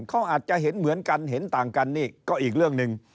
เขาอาจจะเห็นเหมือนกันเห็นต่างกันนี่ก็อีกเรื่องหนึ่ง